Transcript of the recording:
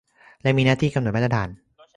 และมีหน้าที่กำหนดมาตรฐาน